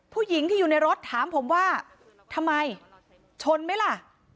ผู้หญิงที่อยู่ในรถถามผมว่าทำไมชนไหมล่ะ